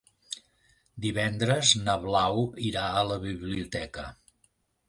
Divendres na Blau irà a la biblioteca.